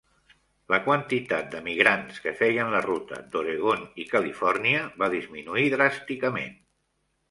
La quantitat d'emigrants que feien la ruta d'Oregon i Califòrnia va disminuir dràsticament.